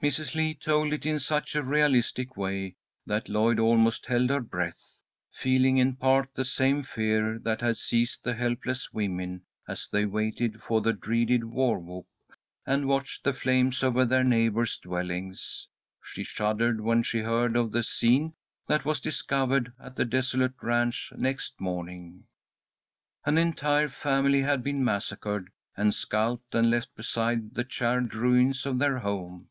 Mrs. Lee told it in such a realistic way that Lloyd almost held her breath, feeling in part the same fear that had seized the helpless women as they waited for the dreaded war whoop, and watched the flames of their neighbours' dwellings. She shuddered when she heard of the scene that was discovered at the desolated ranch next morning. An entire family had been massacred and scalped, and left beside the charred ruins of their home.